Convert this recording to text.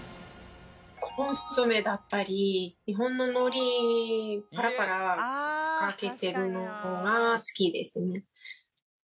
コンソメだったり日本ののりパラパラかけてるのが好きですね。